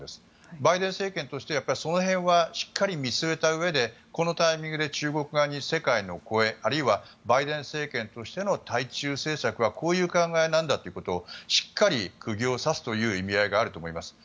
バイデン政権としてその辺はしっかり見据えたうえでこのタイミングで中国側に世界の声あるいはバイデン政権としての対中政策はこういう考えなんだということをしっかり釘を刺すという意味合いがあると思います。